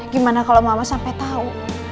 gimana kalau mama sampai tahu